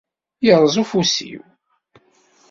Irreẓ ufus-iw.